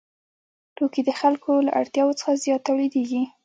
توکي د خلکو له اړتیاوو څخه زیات تولیدېږي